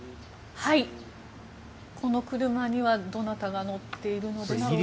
この車にはどなたが乗っているんでしょうか。